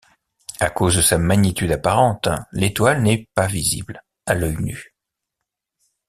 À cause de sa magnitude apparente, l'étoile n'est pas visible à l'œil nu.